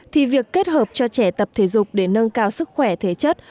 thì việc kết hợp cho trẻ tập thể dục để nâng cao sức khỏe thể chất